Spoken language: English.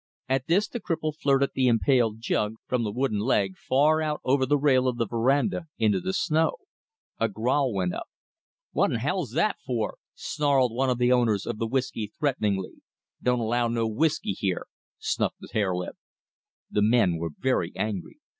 At this the cripple flirted the impaled jug from the wooden leg far out over the rail of the verandah into the snow. A growl went up. "What'n hell's that for I!" snarled one of the owners of the whisky threateningly. "Don't allow no whisky here," snuffed the harelip. The men were very angry.